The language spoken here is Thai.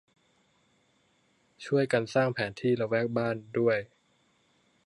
ช่วยกันสร้างแผนที่ละแวกบ้าน ด้วย